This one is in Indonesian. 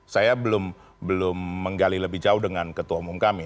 saya belum menggali lebih jauh dengan ketua umum kami